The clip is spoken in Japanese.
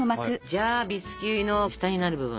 じゃあビスキュイの下になる部分。